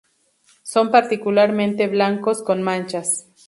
Son particularmente blancos con manchas.